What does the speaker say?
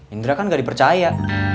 indra kan gak dipercaya